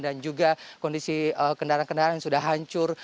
juga kondisi kendaraan kendaraan yang sudah hancur